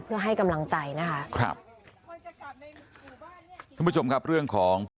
เพื่อให้กำลังใจนะคะครับท่านผู้ชมครับเรื่องของ